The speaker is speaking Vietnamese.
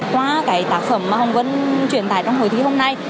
qua cái tác phẩm mà hồng vân truyền tài trong hồi thí hôm nay